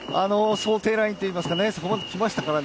想定ラインというか、そこまで来ますからね。